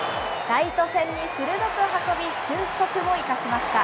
ライト線に鋭く運び、俊足を生かしました。